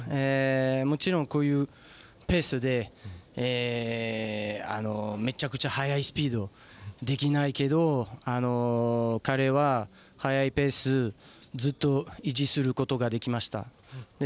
もちろん、こういうペースでめっちゃくちゃ速いスピードできないけど彼は、速いペースずっと維持することができました。